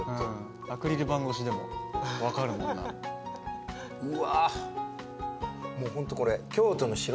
アクリル板越しでもわかるもんなうわ